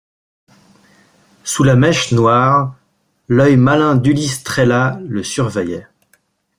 Sous la mèche noire, l'œil malin d'Ulysse Trélat le surveillait.